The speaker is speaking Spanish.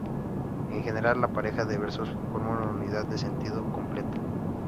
En general, la pareja de versos forma una unidad de sentido completa.